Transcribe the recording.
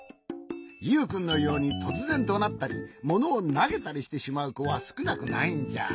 ユウくんのようにとつぜんどなったりものをなげたりしてしまうこはすくなくないんじゃ。